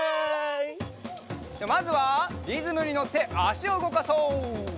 じゃあまずはリズムにのってあしをうごかそう。